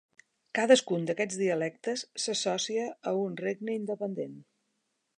Cadascun d'aquests dialectes s'associa a un regne independent.